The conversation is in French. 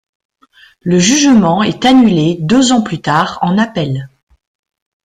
Le jugement est annulé deux ans plus tard en appel.